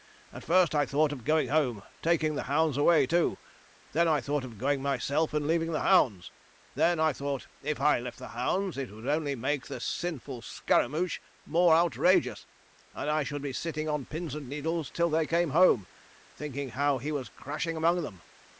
At first I thought of going home, taking the hounds away too; then I thought of going myself and leaving the hounds; then I thought if I left the hounds it would only make the sinful scaramouch more outrageous, and I should be sitting on pins and needles till they came home, thinking how he was crashing among them.